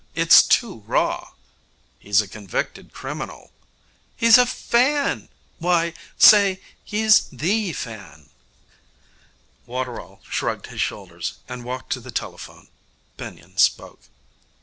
It's too raw.' 'He's a convicted criminal.' 'He's a fan. Why, say, he's the fan.' Waterall shrugged his shoulders, and walked to the telephone. Benyon spoke.